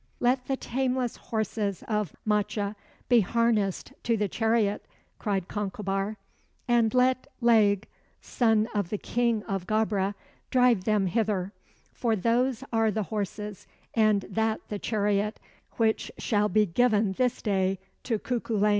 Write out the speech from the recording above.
"Let the tameless horses of Macha be harnessed to the chariot," cried Concobar, "and let Læg, son of the King of Gabra, drive them hither, for those are the horses and that the chariot which shall be given this day to Cuculain."